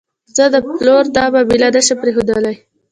زه د پلور دا معامله نه شم پرېښودلی.